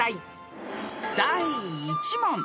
［第１問］